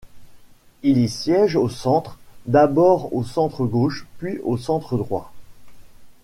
Il y siège au centre, d'abord au centre gauche puis au centre droit.